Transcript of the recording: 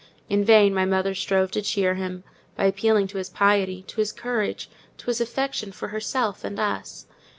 In vain my mother strove to cheer him, by appealing to his piety, to his courage, to his affection for herself and us.